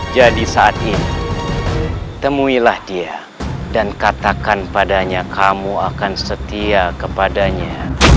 jadi saat ini temui lah dia dan katakan padanya kamu akan setia kepadanya